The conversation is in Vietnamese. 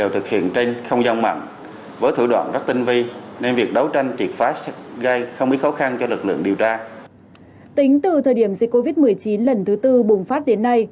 tính từ thời điểm dịch covid một mươi chín lần thứ tư bùng phát đến nay